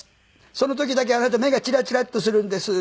その時だけあなた目がチラッチラッとするんです。